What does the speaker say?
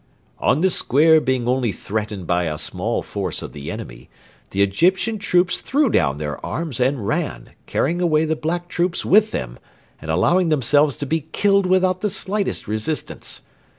'On the square being only threatened by a small force of the enemy... the Egyptian troops threw down their arms and ran, carrying away the black troops with them, and allowing themselves to be killed without the slightest resistance.'